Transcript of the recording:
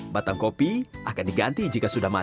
batang kopi akan diganti jika sudah matang